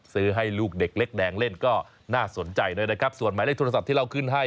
ซื้อให้ลูกเด็กเล็กแดงเล่นก็น่าสนใจด้วยนะครับส่วนหมายเลขโทรศัพท์ที่เราขึ้นให้